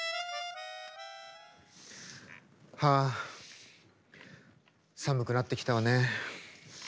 はあ寒くなってきたわね。